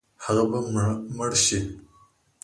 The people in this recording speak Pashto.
هغه به مړ شي.